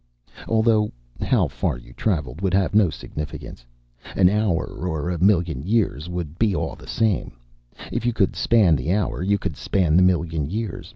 Although how far you traveled would have no significance. An hour or a million years would be all the same; if you could span the hour, you could span the million years.